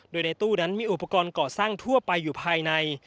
โดยในตู้นั้นมีอุปกรณ์ก่อสร้างทั่วไปอยู่ภายใน